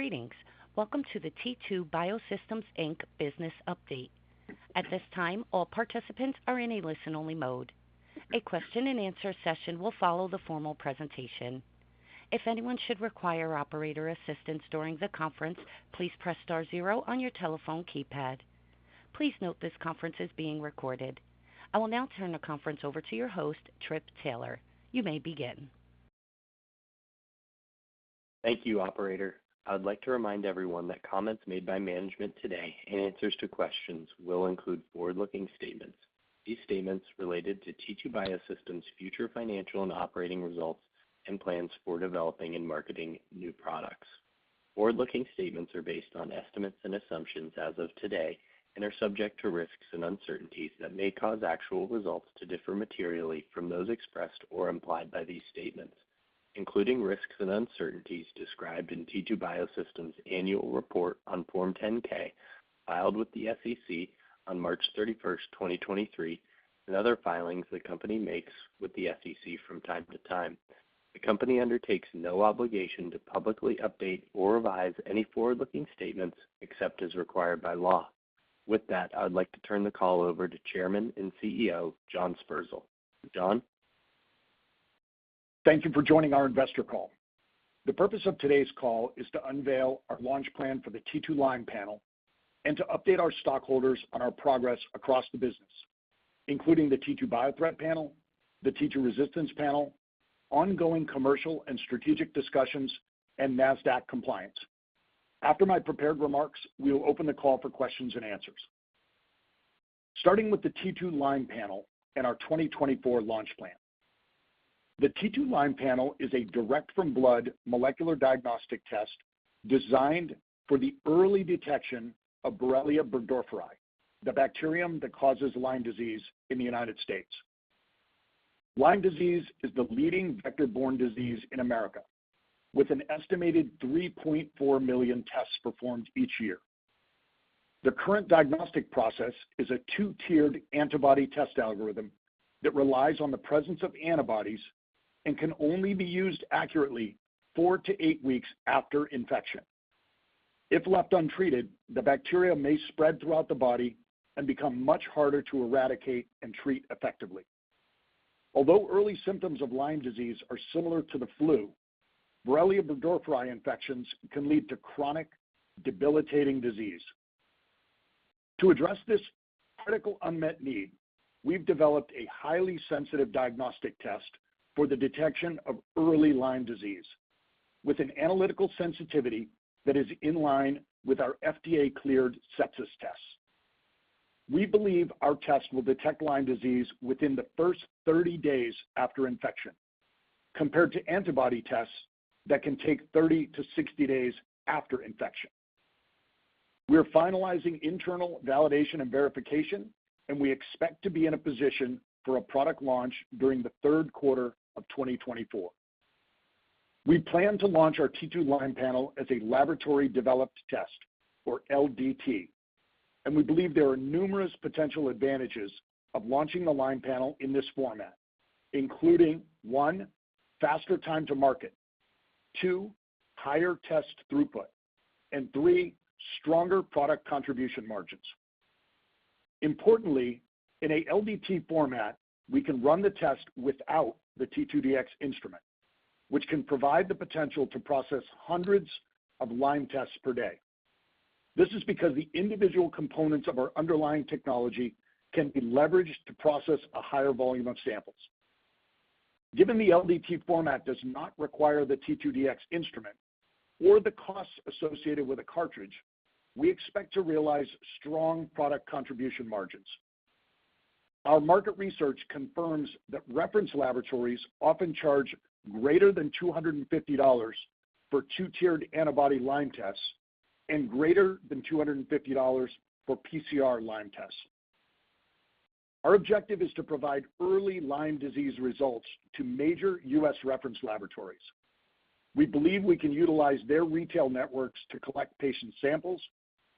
Greetings. Welcome to the T2 Biosystems Inc. business update. At this time, all participants are in a listen-only mode. A question-and-answer session will follow the formal presentation. If anyone should require operator assistance during the conference, please press star zero on your telephone keypad. Please note this conference is being recorded. I will now turn the conference over to your host, Trip Taylor. You may begin. Thank you, operator. I'd like to remind everyone that comments made by management today and answers to questions will include forward-looking statements. These statements relate to T2 Biosystems' future financial and operating results and plans for developing and marketing new products. Forward-looking statements are based on estimates and assumptions as of today and are subject to risks and uncertainties that may cause actual results to differ materially from those expressed or implied by these statements, including risks and uncertainties described in T2 Biosystems' annual report on Form 10-K filed with the SEC on March 31st, 2023, and other filings the company makes with the SEC from time to time. The company undertakes no obligation to publicly update or revise any forward-looking statements except as required by law. With that, I'd like to turn the call over to Chairman and CEO John Sperzel. John? Thank you for joining our investor call. The purpose of today's call is to unveil our launch plan for the T2Lyme Panel and to update our stockholders on our progress across the business, including the T2Biothreat Panel, the T2Resistance Panel, ongoing commercial and strategic discussions, and Nasdaq compliance. After my prepared remarks, we will open the call for questions and answers. Starting with the T2Lyme Panel and our 2024 launch plan. The T2Lyme Panel is a direct-from-blood molecular diagnostic test designed for the early detection of Borrelia burgdorferi, the bacterium that causes Lyme disease in the United States. Lyme disease is the leading vector-borne disease in America, with an estimated 3.4 million tests performed each year. The current diagnostic process is a two-tiered antibody test algorithm that relies on the presence of antibodies and can only be used accurately 4-8 weeks after infection. If left untreated, the bacteria may spread throughout the body and become much harder to eradicate and treat effectively. Although early symptoms of Lyme disease are similar to the flu, Borrelia burgdorferi infections can lead to chronic, debilitating disease. To address this critical unmet need, we've developed a highly sensitive diagnostic test for the detection of early Lyme disease, with an analytical sensitivity that is in line with our FDA-cleared sepsis tests. We believe our test will detect Lyme disease within the first 30 days after infection, compared to antibody tests that can take 30-60 days after infection. We're finalizing internal validation and verification, and we expect to be in a position for a product launch during the third quarter of 2024. We plan to launch our T2Lyme Panel as a laboratory-developed test, or LDT, and we believe there are numerous potential advantages of launching the T2Lyme Panel in this format, including: 1) faster time to market, 2) higher test throughput, and 3) stronger product contribution margins. Importantly, in a LDT format, we can run the test without the T2Dx Instrument, which can provide the potential to process hundreds of Lyme tests per day. This is because the individual components of our underlying technology can be leveraged to process a higher volume of samples. Given the LDT format does not require the T2Dx Instrument or the costs associated with a cartridge, we expect to realize strong product contribution margins. Our market research confirms that reference laboratories often charge greater than $250 for two-tiered antibody Lyme tests and greater than $250 for PCR Lyme tests. Our objective is to provide early Lyme disease results to major U.S. reference laboratories. We believe we can utilize their retail networks to collect patient samples,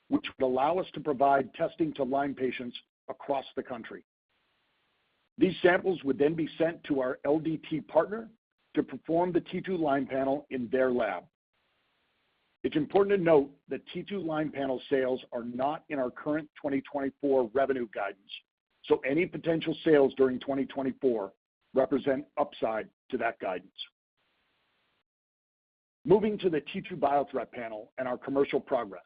which would allow us to provide testing to Lyme patients across the country. These samples would then be sent to our LDT partner to perform the T2Lyme Panel in their lab. It's important to note that T2Lyme Panel sales are not in our current 2024 revenue guidance, so any potential sales during 2024 represent upside to that guidance. Moving to the T2Biothreat Panel and our commercial progress.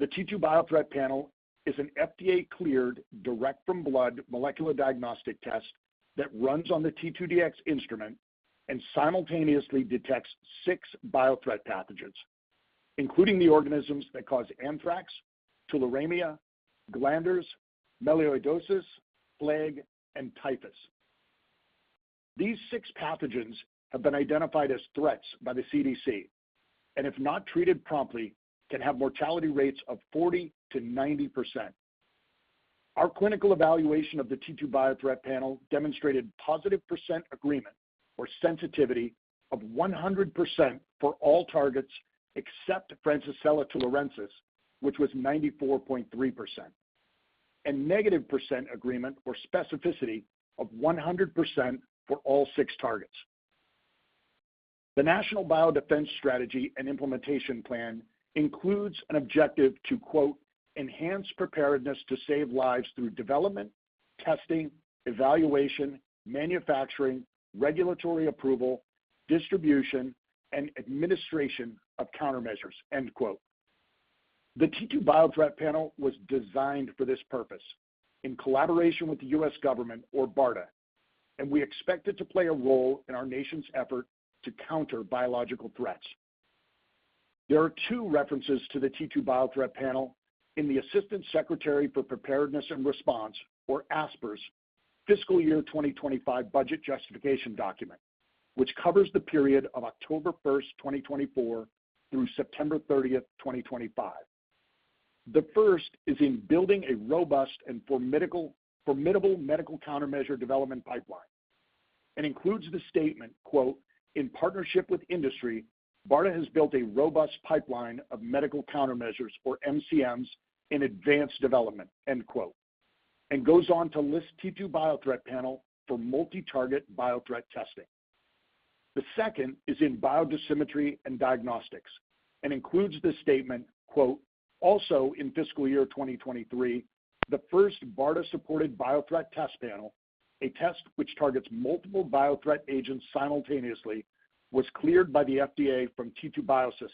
The T2Biothreat Panel is an FDA-cleared direct-from-blood molecular diagnostic test that runs on the T2Dx Instrument and simultaneously detects six biothreat pathogens, including the organisms that cause anthrax, tularemia, glanders, melioidosis, plague, and typhus. These six pathogens have been identified as threats by the CDC and, if not treated promptly, can have mortality rates of 40%-90%. Our clinical evaluation of the T2Biothreat Panel demonstrated positive percent agreement, or sensitivity, of 100% for all targets except Francisella tularensis, which was 94.3%, and negative percent agreement, or specificity, of 100% for all six targets. The National Biodefense Strategy and Implementation Plan includes an objective to "enhance preparedness to save lives through development, testing, evaluation, manufacturing, regulatory approval, distribution, and administration of countermeasures." The T2Biothreat Panel was designed for this purpose in collaboration with the U.S. government, or BARDA, and we expect it to play a role in our nation's effort to counter biological threats. There are two references to the T2Biothreat Panel in the Administration for Strategic Preparedness and Response, or ASPR, Fiscal Year 2025 Budget Justification document, which covers the period of October 1st, 2024, through September 30th, 2025. The first is in "Building a Robust and Formidable Medical Countermeasure Development Pipeline" and includes the statement, "In partnership with industry, BARDA has built a robust pipeline of medical countermeasures, or MCMs, in advanced development," and goes on to list T2Biothreat Panel for multi-target biothreat testing. The second is in "Biodefense and Diagnostics" and includes the statement, "Also in Fiscal Year 2023, the first BARDA-supported biothreat test panel, a test which targets multiple biothreat agents simultaneously, was cleared by the FDA" from T2 Biosystems.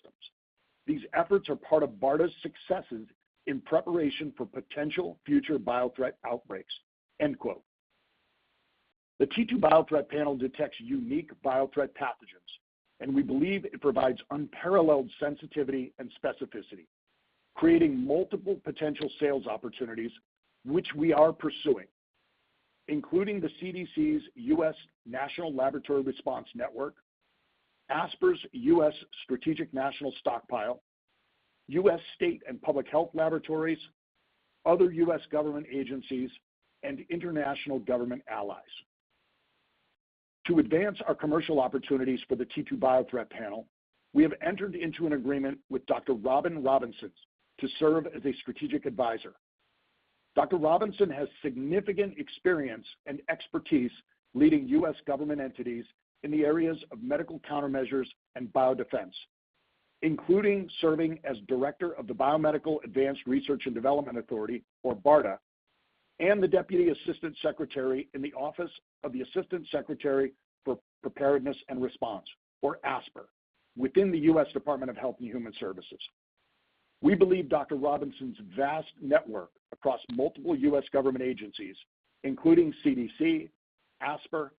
These efforts are part of BARDA's successes in preparation for potential future biothreat outbreaks." The T2Biothreat Panel detects unique biothreat pathogens, and we believe it provides unparalleled sensitivity and specificity, creating multiple potential sales opportunities, which we are pursuing, including the CDC's US National Laboratory Response Network, ASPR's US Strategic National Stockpile, US state and public health laboratories, other US government agencies, and international government allies. To advance our commercial opportunities for the T2Biothreat Panel, we have entered into an agreement with Dr. Robin Robinson to serve as a strategic advisor. Dr. Robinson has significant experience and expertise leading US government entities in the areas of medical countermeasures and biodefense, including serving as Director of the Biomedical Advanced Research and Development Authority, or BARDA, and the Deputy Assistant Secretary in the Office of the Assistant Secretary for Preparedness and Response, or ASPR, within the U.S. Department of Health and Human Services. We believe Dr. Robinson's vast network across multiple US government agencies, including CDC, ASPR,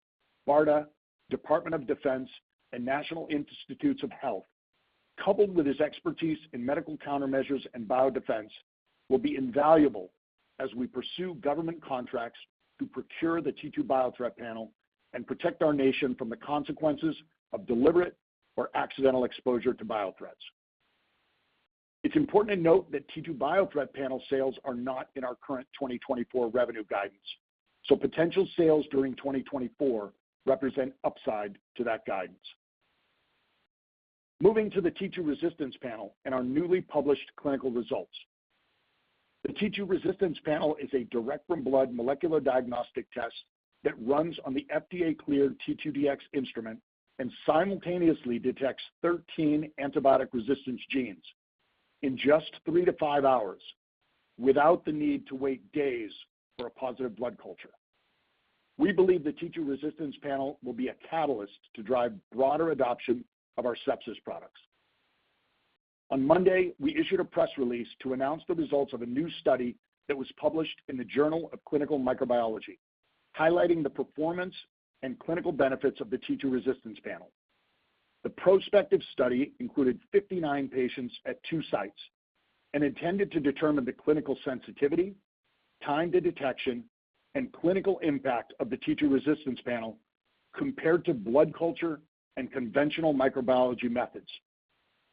BARDA, Department of Defense, and National Institutes of Health, coupled with his expertise in medical countermeasures and biodefense, will be invaluable as we pursue government contracts to procure the T2Biothreat Panel and protect our nation from the consequences of deliberate or accidental exposure to biothreats. It's important to note that T2Biothreat Panel sales are not in our current 2024 revenue guidance, so potential sales during 2024 represent upside to that guidance. Moving to the T2Resistance Panel and our newly published clinical results. The T2Resistance Panel is a direct-from-blood molecular diagnostic test that runs on the FDA-cleared T2Dx Instrument and simultaneously detects 13 antibiotic-resistance genes in just 3-5 hours, without the need to wait days for a positive blood culture. We believe the T2Resistance Panel will be a catalyst to drive broader adoption of our sepsis products. On Monday, we issued a press release to announce the results of a new study that was published in the Journal of Clinical Microbiology, highlighting the performance and clinical benefits of the T2Resistance Panel. The prospective study included 59 patients at two sites and intended to determine the clinical sensitivity, time to detection, and clinical impact of the T2Resistance Panel compared to blood culture and conventional microbiology methods.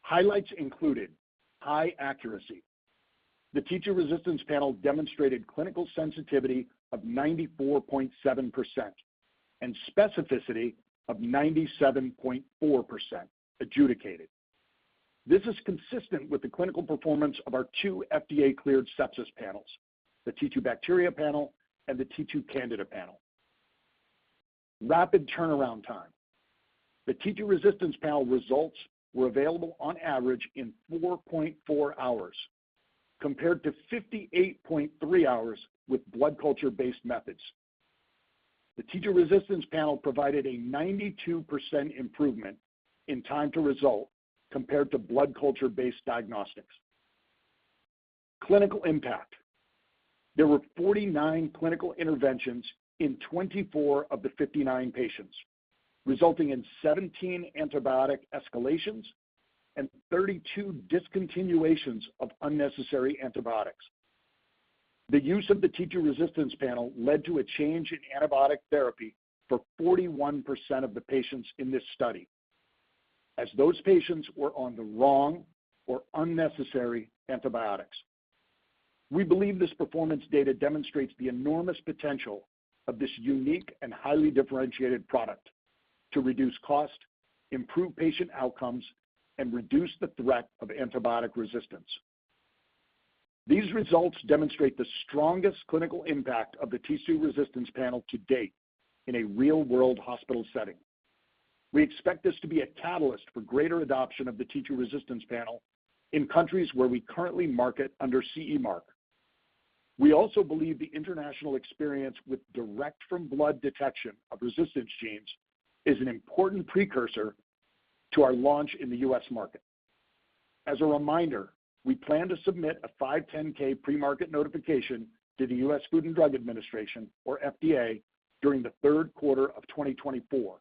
Highlights included high accuracy. The T2Resistance Panel demonstrated clinical sensitivity of 94.7% and specificity of 97.4%, adjudicated. This is consistent with the clinical performance of our two FDA-cleared sepsis panels, the T2Bacteria Panel and the T2Candida Panel. Rapid turnaround time. The T2Resistance Panel results were available on average in 4.4 hours, compared to 58.3 hours with blood culture-based methods. The T2Resistance Panel provided a 92% improvement in time to result compared to blood culture-based diagnostics. Clinical impact. There were 49 clinical interventions in 24 of the 59 patients, resulting in 17 antibiotic escalations and 32 discontinuations of unnecessary antibiotics. The use of the T2Resistance Panel led to a change in antibiotic therapy for 41% of the patients in this study, as those patients were on the wrong or unnecessary antibiotics. We believe this performance data demonstrates the enormous potential of this unique and highly differentiated product to reduce cost, improve patient outcomes, and reduce the threat of antibiotic resistance. These results demonstrate the strongest clinical impact of the T2Resistance Panel to date in a real-world hospital setting. We expect this to be a catalyst for greater adoption of the T2Resistance Panel in countries where we currently market under CE Mark. We also believe the international experience with direct-from-blood detection of resistance genes is an important precursor to our launch in the U.S. market. As a reminder, we plan to submit a 510(k) premarket notification to the U.S. Food and Drug Administration, or FDA, during the third quarter of 2024,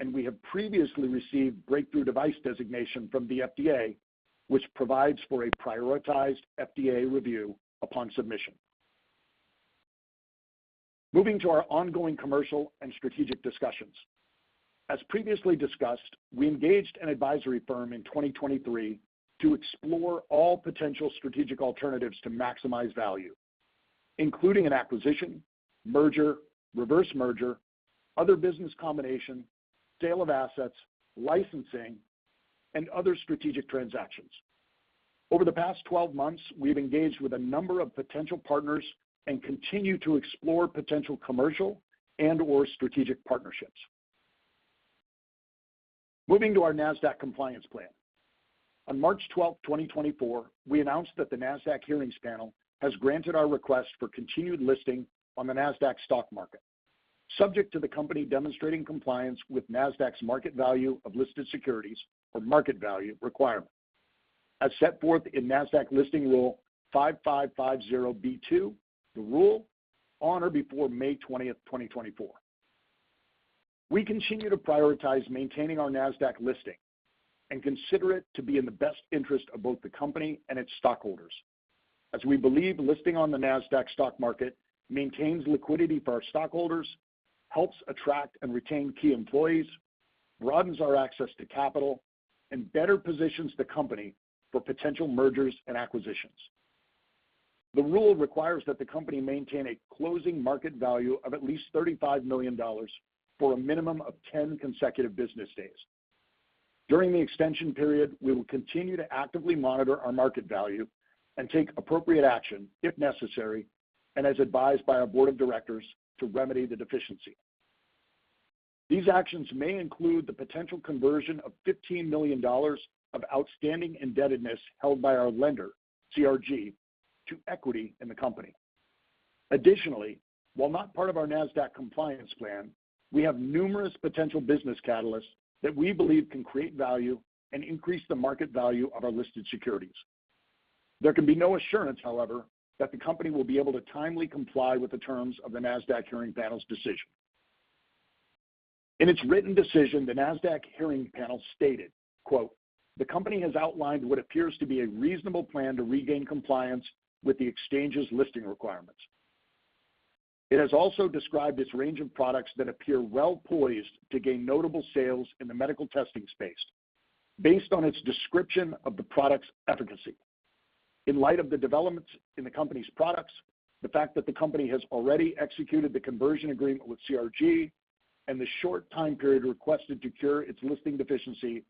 and we have previously received Breakthrough Device Designation from the FDA, which provides for a prioritized FDA review upon submission. Moving to our ongoing commercial and strategic discussions. As previously discussed, we engaged an advisory firm in 2023 to explore all potential strategic alternatives to maximize value, including an acquisition, merger, reverse merger, other business combinations, sale of assets, licensing, and other strategic transactions. Over the past 12 months, we've engaged with a number of potential partners and continue to explore potential commercial and/or strategic partnerships. Moving to our NASDAQ compliance plan. On March 12, 2024, we announced that the NASDAQ Hearings Panel has granted our request for continued listing on the NASDAQ stock market, subject to the company demonstrating compliance with NASDAQ's Market Value of Listed Securities, or Market Value, requirement, as set forth in NASDAQ Listing Rule 5550(b)(2), the rule, on or before May 20, 2024. We continue to prioritize maintaining our NASDAQ listing and consider it to be in the best interest of both the company and its stockholders, as we believe listing on the NASDAQ stock market maintains liquidity for our stockholders, helps attract and retain key employees, broadens our access to capital, and better positions the company for potential mergers and acquisitions. The rule requires that the company maintain a closing market value of at least $35 million for a minimum of 10 consecutive business days. During the extension period, we will continue to actively monitor our market value and take appropriate action, if necessary, and as advised by our Board of Directors, to remedy the deficiency. These actions may include the potential conversion of $15 million of outstanding indebtedness held by our lender, CRG, to equity in the company. Additionally, while not part of our NASDAQ compliance plan, we have numerous potential business catalysts that we believe can create value and increase the market value of our listed securities. There can be no assurance, however, that the company will be able to timely comply with the terms of the NASDAQ Hearing Panel's decision. In its written decision, the NASDAQ Hearing Panel stated, "The company has outlined what appears to be a reasonable plan to regain compliance with the exchange's listing requirements. It has also described its range of products that appear well poised to gain notable sales in the medical testing space, based on its description of the product's efficacy. In light of the developments in the company's products, the fact that the company has already executed the conversion agreement with CRG, and the short time period requested to cure its listing deficiency,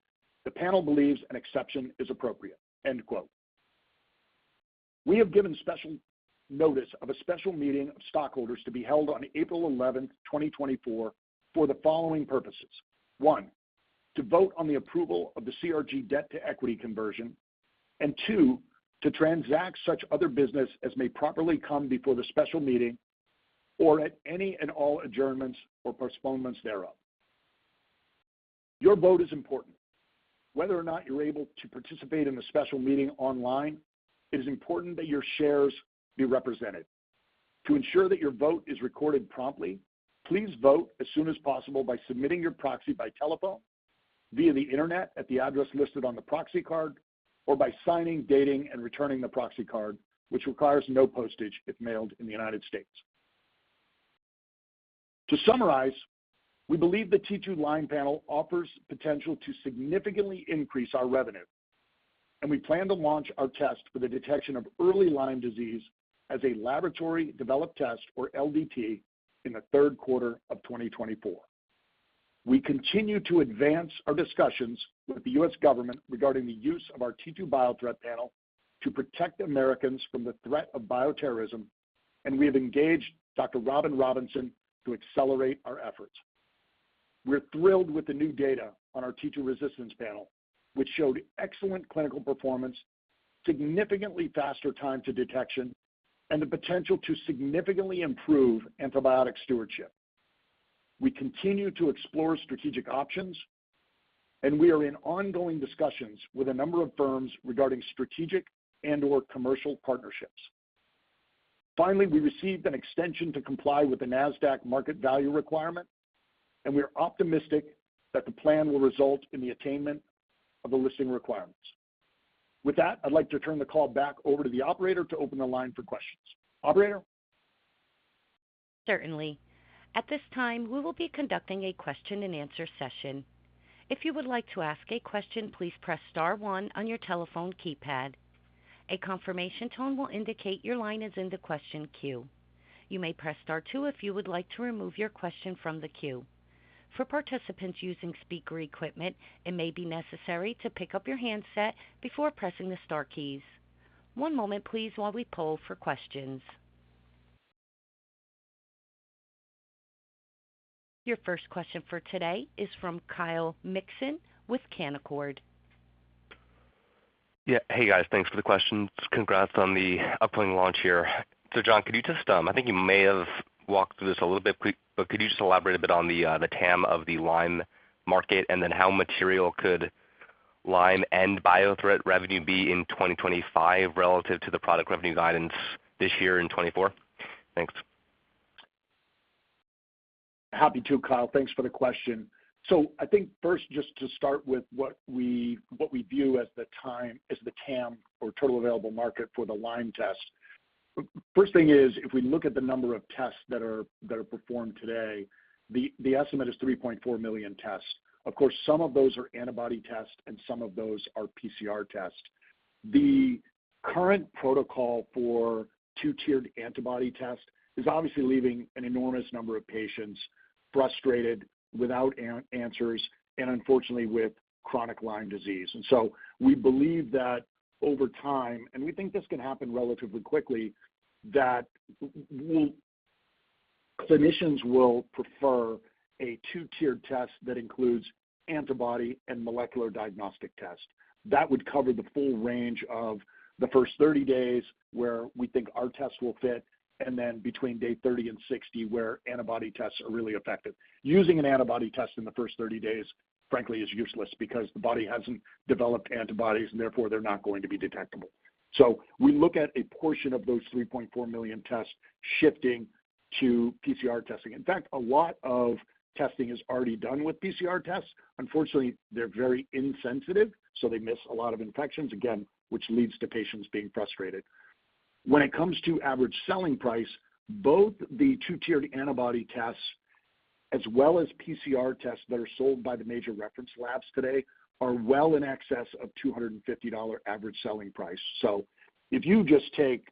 the panel believes an exception is appropriate. We have given special notice of a special meeting of stockholders to be held on April 11, 2024, for the following purposes: one, to vote on the approval of the CRG debt-to-equity conversion; and two, to transact such other business as may properly come before the special meeting or at any and all adjournments or postponements thereof. Your vote is important. Whether or not you're able to participate in the special meeting online, it is important that your shares be represented. To ensure that your vote is recorded promptly, please vote as soon as possible by submitting your proxy by telephone, via the internet at the address listed on the proxy card, or by signing, dating, and returning the proxy card, which requires no postage if mailed in the United States. To summarize, we believe the T2Lyme Panel offers potential to significantly increase our revenue, and we plan to launch our test for the detection of early Lyme disease as a laboratory developed test, or LDT, in the third quarter of 2024. We continue to advance our discussions with the US government regarding the use of our T2Biothreat Panel to protect Americans from the threat of bioterrorism, and we have engaged Dr. Robin Robinson to accelerate our efforts. We're thrilled with the new data on our T2Resistance Panel, which showed excellent clinical performance, significantly faster time to detection, and the potential to significantly improve antibiotic stewardship. We continue to explore strategic options, and we are in ongoing discussions with a number of firms regarding strategic and/or commercial partnerships. Finally, we received an extension to comply with the NASDAQ Market Value requirement, and we're optimistic that the plan will result in the attainment of the listing requirements. With that, I'd like to turn the call back over to the operator to open the line for questions. Operator? Certainly. At this time, we will be conducting a question-and-answer session. If you would like to ask a question, please press star one on your telephone keypad. A confirmation tone will indicate your line is in the question queue. You may press star two if you would like to remove your question from the queue. For participants using speaker equipment, it may be necessary to pick up your handset before pressing the star keys. One moment, please, while we pull for questions. Your first question for today is from Kyle Mikson with Canaccord Genuity. Yeah. Hey, guys. Thanks for the questions. Congrats on the upcoming launch here. So, John, could you just. I think you may have walked through this a little bit quick, but could you just elaborate a bit on the, the TAM of the Lyme market and then how material could Lyme and Biothreat revenue be in 2025 relative to the product revenue guidance this year and 2024? Thanks. Happy to, Kyle. Thanks for the question. So I think first, just to start with what we view as the TAM, or Total Available Market, for the Lyme test. First thing is, if we look at the number of tests that are performed today, the estimate is 3.4 million tests. Of course, some of those are antibody tests, and some of those are PCR tests. The current protocol for two-tiered antibody tests is obviously leaving an enormous number of patients frustrated, without answers, and unfortunately with chronic Lyme disease. And so we believe that over time and we think this can happen relatively quickly that clinicians will prefer a two-tiered test that includes antibody and molecular diagnostic test. That would cover the full range of the first 30 days where we think our test will fit, and then between day 30 and 60, where antibody tests are really effective. Using an antibody test in the first 30 days, frankly, is useless because the body hasn't developed antibodies, and therefore they're not going to be detectable. So we look at a portion of those 3.4 million tests shifting to PCR testing. In fact, a lot of testing is already done with PCR tests. Unfortunately, they're very insensitive, so they miss a lot of infections, again, which leads to patients being frustrated. When it comes to average selling price, both the two-tiered antibody tests as well as PCR tests that are sold by the major reference labs today are well in excess of $250 average selling price. So if you just take,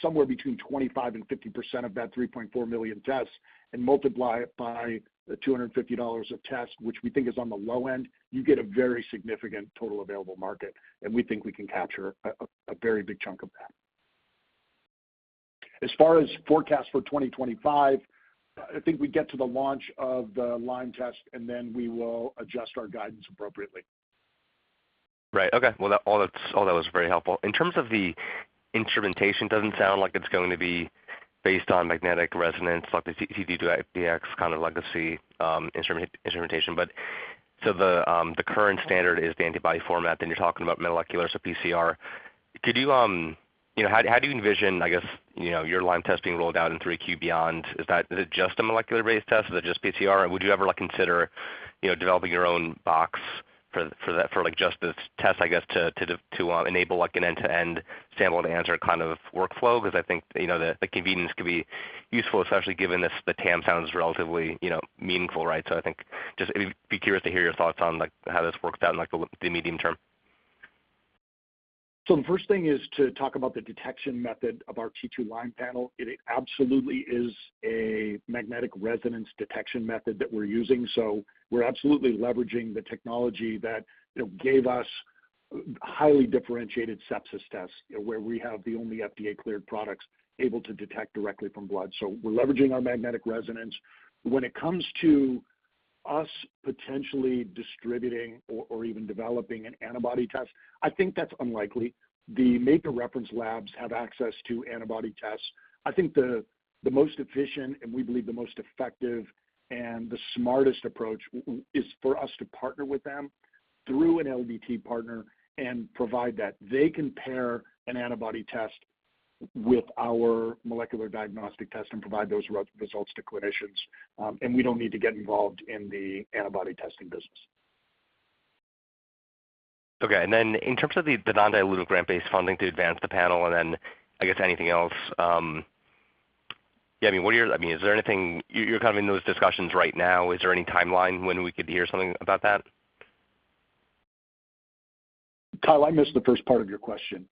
somewhere between 25% and 50% of that 3.4 million tests and multiply it by the $250 of tests, which we think is on the low end, you get a very significant total available market, and we think we can capture a very big chunk of that. As far as forecast for 2025, I think we'd get to the launch of the Lyme test, and then we will adjust our guidance appropriately. Right. Okay. Well, that's all that was very helpful. In terms of the instrumentation, it doesn't sound like it's going to be based on magnetic resonance, like the T2Dx kind of legacy instrumentation. But so the current standard is the antibody format, then you're talking about molecular, so PCR. Could you, you know, how do you envision, I guess, you know, your Lyme test being rolled out in 3Q beyond? Is it just a molecular-based test? Is it just PCR? And would you ever, like, consider, you know, developing your own box for that, like, just this test, I guess, to enable, like, an end-to-end sample-to-answer kind of workflow? Because I think, you know, the convenience could be useful, especially given this the TAM sounds relatively, you know, meaningful, right? So I think just be curious to hear your thoughts on, like, how this works out in, like, the medium term. So the first thing is to talk about the detection method of our T2Lyme panel. It absolutely is a magnetic resonance detection method that we're using, so we're absolutely leveraging the technology that, you know, gave us highly differentiated sepsis tests, you know, where we have the only FDA-cleared products able to detect directly from blood. So we're leveraging our magnetic resonance. When it comes to us potentially distributing or even developing an antibody test, I think that's unlikely. The major reference labs have access to antibody tests. I think the most efficient and we believe the most effective and the smartest approach is for us to partner with them through an LDT partner and provide that. They can pair an antibody test with our molecular diagnostic test and provide those results to clinicians, and we don't need to get involved in the antibody testing business. Okay. And then in terms of the non-dilutive grant-based funding to advance the panel and then, I guess, anything else, yeah, I mean, what are your I mean, is there anything you're kind of in those discussions right now? Is there any timeline when we could hear something about that? Kyle, I missed the first part of your question.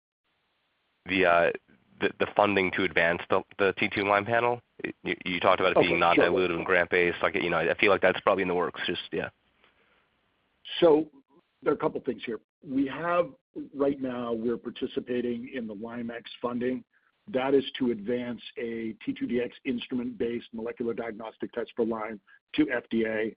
The funding to advance the T2Lyme Panel? You talked about it being non-dilutive and grant-based. You know, I feel like that's probably in the works. Just yeah. So there are a couple of things here. We have right now, we're participating in the LymeX funding. That is to advance a T2Dx Instrument-based molecular diagnostic test for Lyme to FDA.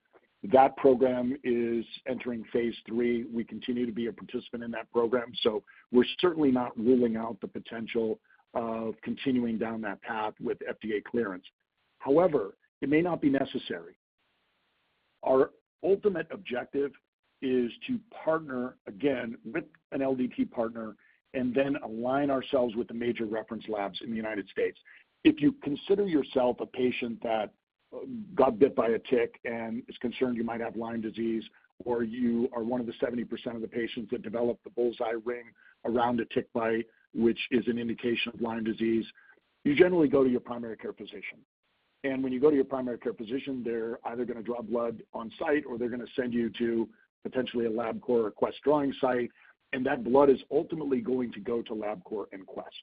That program is entering phase three. We continue to be a participant in that program, so we're certainly not ruling out the potential of continuing down that path with FDA clearance. However, it may not be necessary. Our ultimate objective is to partner, again, with an LDT partner and then align ourselves with the major reference labs in the United States. If you consider yourself a patient that got bit by a tick and is concerned you might have Lyme disease, or you are one of the 70% of the patients that develop the bullseye ring around a tick bite, which is an indication of Lyme disease, you generally go to your primary care physician. And when you go to your primary care physician, they're either going to draw blood on-site or they're going to send you to potentially a LabCorp or Quest drawing site, and that blood is ultimately going to go to LabCorp or Quest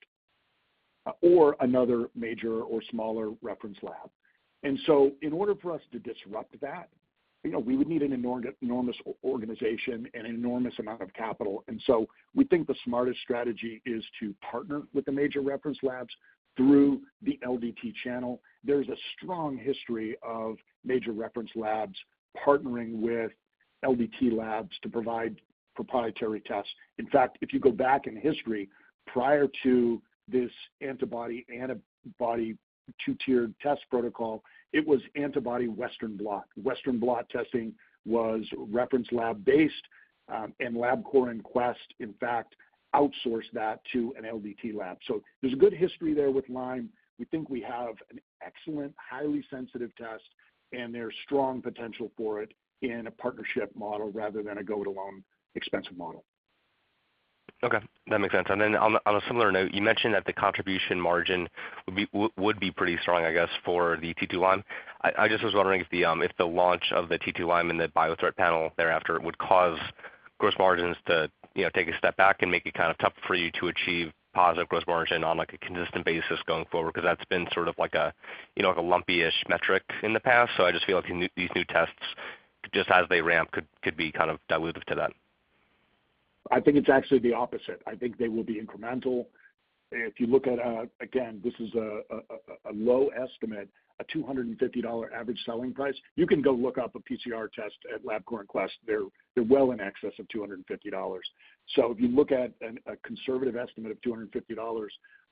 or another major or smaller reference lab. And so in order for us to disrupt that, you know, we would need an enormous organization and an enormous amount of capital. And so we think the smartest strategy is to partner with the major reference labs through the LDT channel. There's a strong history of major reference labs partnering with LDT labs to provide proprietary tests. In fact, if you go back in history, prior to this antibody-antibody two-tiered test protocol, it was antibody Western blot. Western blot testing was reference lab-based, and LabCorp and Quest, in fact, outsourced that to an LDT lab. So there's a good history there with Lyme. We think we have an excellent, highly sensitive test, and there's strong potential for it in a partnership model rather than a go-it-alone expensive model. Okay. That makes sense. Then on a similar note, you mentioned that the contribution margin would be pretty strong, I guess, for the T2Lyme. I just was wondering if the launch of the T2Lyme and the Biothreat panel thereafter would cause gross margins to, you know, take a step back and make it kind of tough for you to achieve positive gross margin on, like, a consistent basis going forward because that's been sort of like a you know, like a lumpy-ish metric in the past. So I just feel like these new tests, just as they ramp, could be kind of dilutive to that. I think it's actually the opposite. I think they will be incremental. If you look at, again, this is a low estimate, a $250 average selling price. You can go look up a PCR test at LabCorp or Quest. They're well in excess of $250. So if you look at a conservative estimate of $250,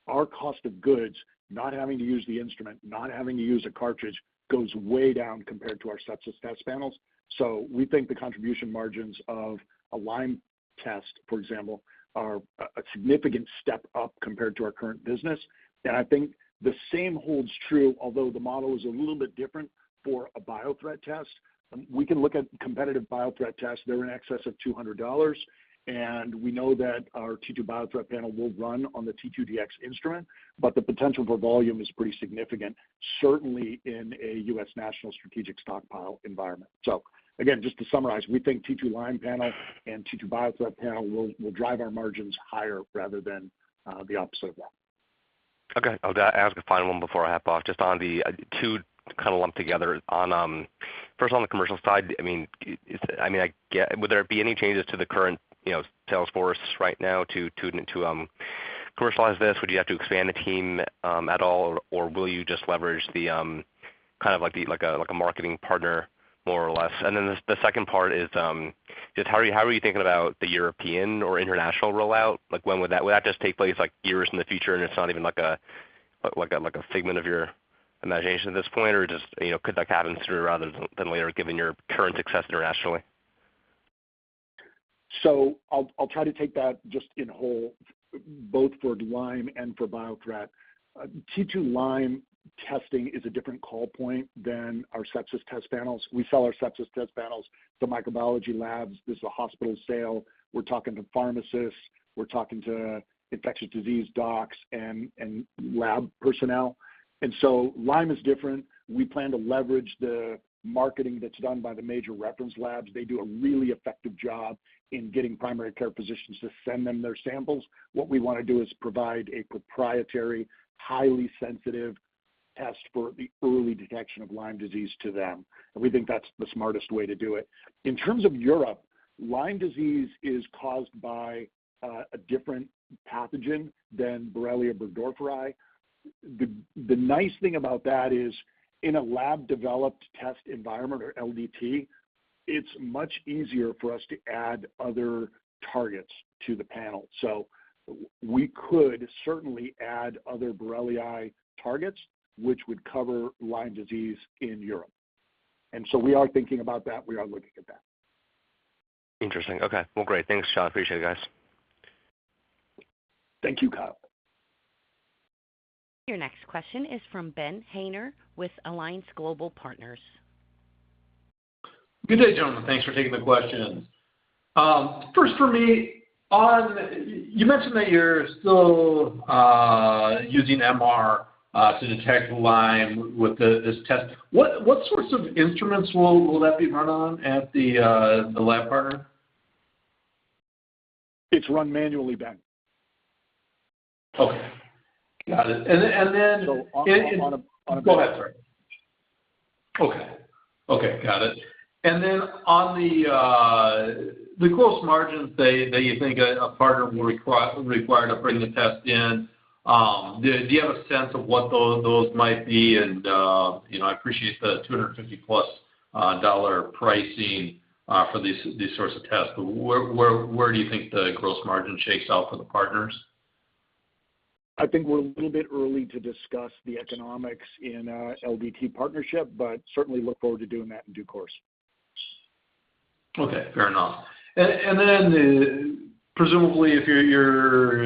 our cost of goods, not having to use the instrument, not having to use a cartridge, goes way down compared to our sepsis test panels. So we think the contribution margins of a Lyme test, for example, are a significant step up compared to our current business. And I think the same holds true, although the model is a little bit different, for a Biothreat test. We can look at competitive Biothreat tests. They're in excess of $200, and we know that our T2Biothreat Panel will run on the T2Dx Instrument, but the potential for volume is pretty significant, certainly in a U.S. Strategic National Stockpile environment. So again, just to summarize, we think T2Lyme Panel and T2Biothreat Panel will drive our margins higher rather than the opposite of that. Okay. I'll ask a final one before I hop off. Just on the two kind of lumped together. On, first on the commercial side, I mean, I mean, I get would there be any changes to the current, you know, sales force right now to commercialize this? Would you have to expand the team, at all, or will you just leverage the, kind of like a marketing partner more or less? And then the second part is, just how are you thinking about the European or international rollout? Like, when would that just take place, like, years in the future, and it's not even, like, a figment of your imagination at this point, or just, you know, could that happen sooner rather than later, given your current success internationally? So I'll try to take that just in whole, both for Lyme and for Biothreat. T2Lyme testing is a different call point than our sepsis test panels. We sell our sepsis test panels to microbiology labs. This is a hospital sale. We're talking to pharmacists. We're talking to infectious disease docs and lab personnel. And so Lyme is different. We plan to leverage the marketing that's done by the major reference labs. They do a really effective job in getting primary care physicians to send them their samples. What we want to do is provide a proprietary, highly sensitive test for the early detection of Lyme Disease to them. And we think that's the smartest way to do it. In terms of Europe, Lyme Disease is caused by a different pathogen than Borrelia burgdorferi. The nice thing about that is, in a lab-developed test environment, or LDT, it's much easier for us to add other targets to the panel. So we could certainly add other Borrelia targets, which would cover Lyme Disease in Europe. And so we are thinking about that. We are looking at that. Interesting. Okay. Well, great. Thanks, John. Appreciate it, guys. Thank you, Kyle. Your next question is from Ben Haynor with Alliance Global Partners. Good day, gentlemen. Thanks for taking the questions. First, for me, on you mentioned that you're still using MR to detect Lyme with this test. What sorts of instruments will that be run on at the lab partner? It's run manually, Ben. Okay. Got it. And then On a Go ahead, sorry. Okay. Okay. Got it. And then on the gross margins that you think a partner will require to bring the test in, do you have a sense of what those might be? And, you know, I appreciate the $250+ pricing for these sorts of tests. Where do you think the gross margin shakes out for the partners? I think we're a little bit early to discuss the economics in an LDT partnership, but certainly look forward to doing that in due course. Okay. Fair enough. And then presumably, if you're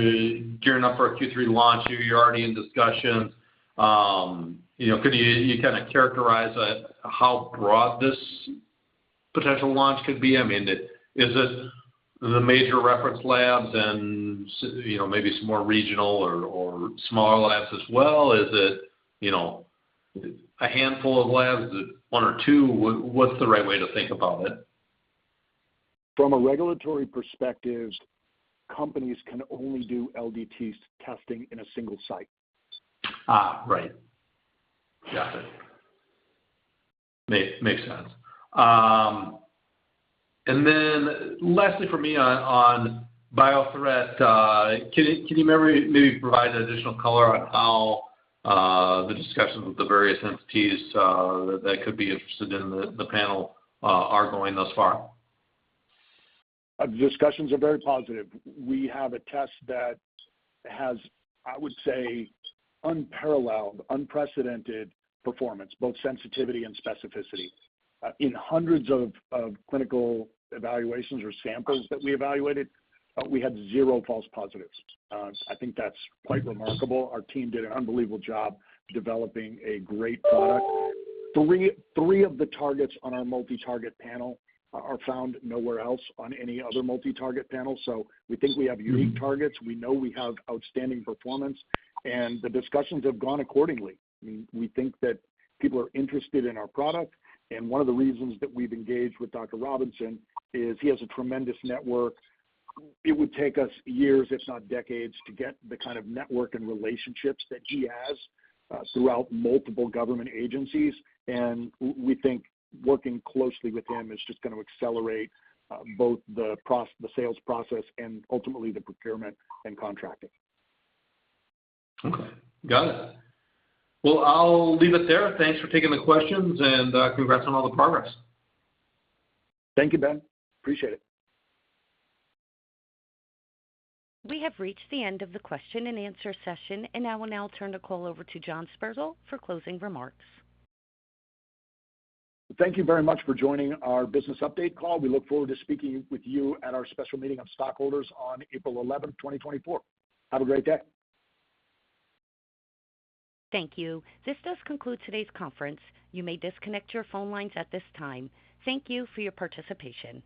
gearing up for a Q3 launch, you're already in discussions. You know, could you kind of characterize how broad this potential launch could be? I mean, is it the major reference labs and, you know, maybe some more regional or smaller labs as well? Is it, you know, a handful of labs? One or two? What's the right way to think about it? From a regulatory perspective, companies can only do LDT testing in a single site. Right. Got it. Makes sense. And then lastly for me on Biothreat, can you maybe provide additional color on how the discussions with the various entities that could be interested in the panel are going thus far? The discussions are very positive. We have a test that has, I would say, unparalleled, unprecedented performance, both sensitivity and specificity. In hundreds of clinical evaluations or samples that we evaluated, we had zero false positives. I think that's quite remarkable. Our team did an unbelievable job developing a great product. Three of the targets on our multi-target panel are found nowhere else on any other multi-target panel, so we think we have unique targets. We know we have outstanding performance, and the discussions have gone accordingly. I mean, we think that people are interested in our product, and one of the reasons that we've engaged with Dr. Robinson is he has a tremendous network. It would take us years, if not decades, to get the kind of network and relationships that he has throughout multiple government agencies, and we think working closely with him is just going to accelerate both the sales process and ultimately the procurement and contracting. Okay. Got it. Well, I'll leave it there. Thanks for taking the questions, and congrats on all the progress. Thank you, Ben. Appreciate it. We have reached the end of the question-and-answer session, and I will now turn the call over to John Sperzel for closing remarks. Thank you very much for joining our business update call. We look forward to speaking with you at our special meeting of stockholders on April 11, 2024. Have a great day. Thank you. This does conclude today's conference. You may disconnect your phone lines at this time. Thank you for your participation.